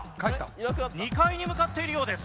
２階に向かっているようです。